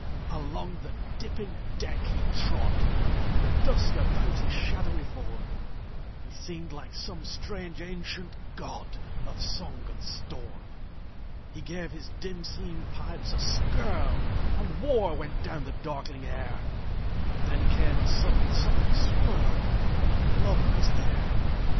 Along the dipping deck he trod, The dusk about his shadowy form; He seemed like some strange ancient godOf song and storm. He gave his dim seen pipes a skirlAnd war went down the darkling air; Then came a sudden subtle swirl, And love was there.